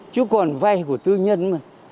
chứ còn vay của tư nhân mà